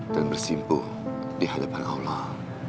dan bersimpu di hadapan allah